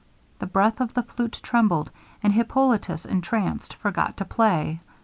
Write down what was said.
The breath of the flute trembled, and Hippolitus entranced, forgot to play.